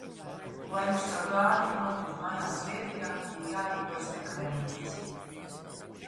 Lai viņš caur Dāniju nokļūtu mājās Zviedrijā, bija jārīkojas nekavējoties.